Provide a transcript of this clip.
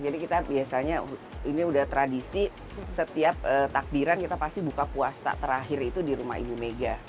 jadi kita biasanya ini udah tradisi setiap takbiran kita pasti buka puasa terakhir itu di rumah ibu mega